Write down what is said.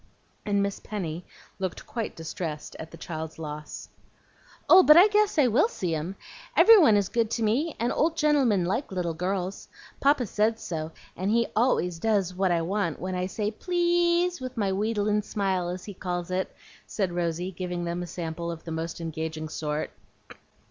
and Miss Penny looked quite distressed at the child's loss. "Oh, but I guess I will see 'em! Every one is good to me, and old gentlemen like little girls. Papa says so, and HE always does what I want when I say 'Please' with my wheedulin smile, as he calls it," said Rosy, giving them a sample of the most engaging sort.